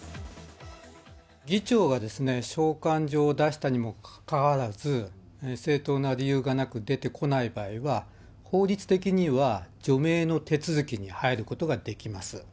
議長がですね、召喚状を出したにもかかわらず、正当な理由がなく出てこない場合は、法律的には除名の手続きに入ることができます。